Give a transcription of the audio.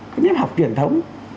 cái cách học truyền thống